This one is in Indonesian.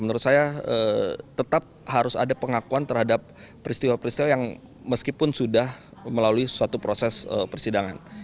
menurut saya tetap harus ada pengakuan terhadap peristiwa peristiwa yang meskipun sudah melalui suatu proses persidangan